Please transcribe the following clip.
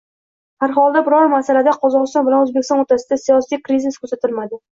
Harholda, biron masalada Qozogʻiston bilan Oʻzbekiston oʻrtasida siyosiy krizis kuzatilmadi.